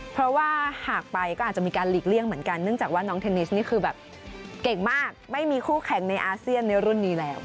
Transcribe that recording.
เพราะว่าหากไปก็อาจจะมีการหลีกเลี่ยงเหมือนกันเนื่องจากว่าน้องเทนนิสนี่คือแบบเก่งมากไม่มีคู่แข่งในอาเซียนในรุ่นนี้แล้ว